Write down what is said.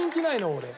俺。